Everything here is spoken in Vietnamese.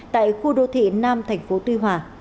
tại khu đô thị nam tp tuy hòa